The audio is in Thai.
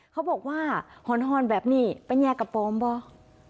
เขาบอกว่าหอนแบบนี้ไปแยกกระปอมเปล่า